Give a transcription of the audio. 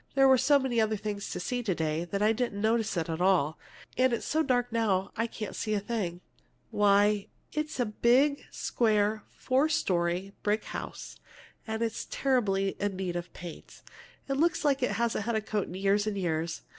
"There were so many other things to see to day that I didn't notice it at all. And it's so dark now I can't see a thing." "Why, it's a big, square, four story brick house, and it's terribly in need of paint. Looks as if it hadn't had a coat in years and years.